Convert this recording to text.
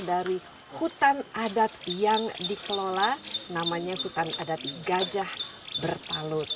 dari hutan adat yang dikelola namanya hutan adat gajah bertalut